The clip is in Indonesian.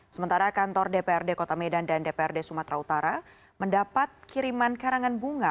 sementara kantor dprd kota medan dan dprd sumatera utara mendapat kiriman karangan bunga